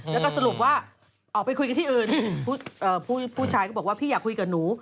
แล้วก็สรุปว่าออกไปคุยกันที่อื่นผู้ชายก็บอกว่าพี่อยากคุยกับหนู